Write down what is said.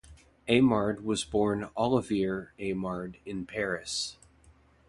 Aimard was born "Olivier Aimard" in Paris.